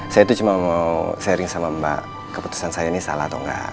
saya itu cuma mau sharing sama mbak keputusan saya ini salah atau enggak